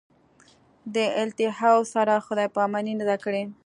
دې الهیاتو سره خدای پاماني نه ده کړې.